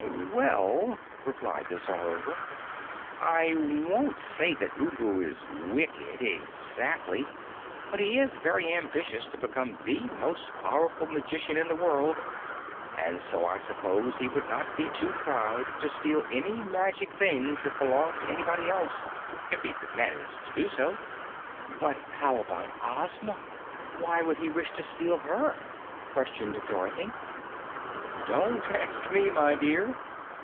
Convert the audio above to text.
"Well," replied the Czarover, "I won't say that Ugu is wicked, exactly, but he is very ambitious to become the most powerful magician in the world, and so I suppose he would not be too proud to steal any magic things that belonged to anybody else if he could manage to do so." "But how about Ozma? Why would he wish to steal HER?" questioned Dorothy. "Don't ask me, my dear.